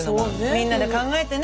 みんなで考えてね